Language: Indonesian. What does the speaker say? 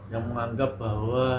yang menganggap bahwa